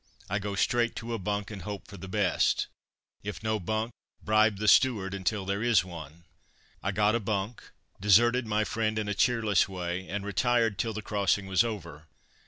I go straight to a bunk, and hope for the best; if no bunk bribe the steward until there is one. I got a bunk, deserted my friend in a cheerless way, and retired till the crossing was over.